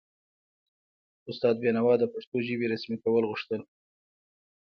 استاد بینوا د پښتو ژبې رسمي کول غوښتل.